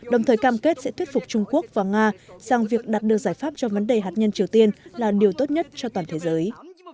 đồng thời cam kết sẽ thuyết phục trung quốc và nga rằng việc đạt được giải pháp cho vấn đề hạt nhân triều tiên là điều tốt nhất cho toàn thế giới